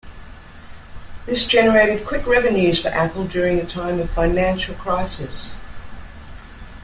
This generated quick revenues for Apple during a time of financial crisis.